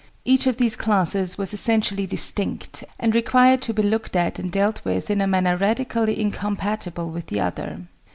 Each of these classes was essentially distinct, and required to be looked at and dealt with in a manner radically incompatible with the other.